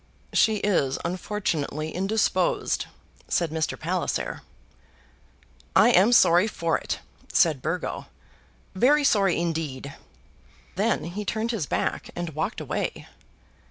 "She is unfortunately indisposed," said Mr. Palliser. "I am sorry for it," said Burgo "very sorry indeed." Then he turned his back and walked away.